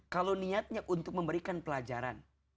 kalau niatnya untuk memberikan pelajaran